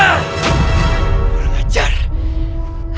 aku tidak bisa menerima penghinaan ini